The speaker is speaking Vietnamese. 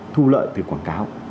thu lợi từ quảng cáo